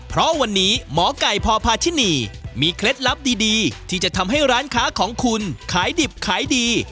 เพราะวันนี้หมอไก่พพาธินีมีเคล็ดลับดีที่จะทำให้ร้านค้าของคุณขายดิบขายดี